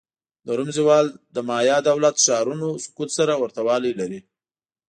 د روم زوال له مایا دولت-ښارونو سقوط سره ورته والی لري